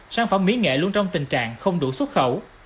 sản phẩm mỹ nghệ luôn trong tình trạng không đủ xuất khẩu